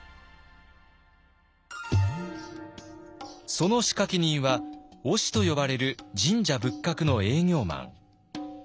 その仕掛け人は御師と呼ばれる神社仏閣の営業マン。